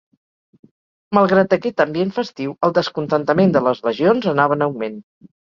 Malgrat aquest ambient festiu, el descontentament de les legions anava en augment.